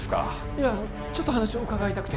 いやちょっと話を伺いたくて